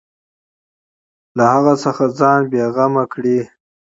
له هغه څخه ځان بېغمه کړي.